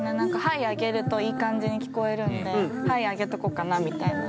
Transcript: Ｈｉｇｈ上げるといい感じに聞こえるんでＨｉｇｈ上げとこっかなみたいな。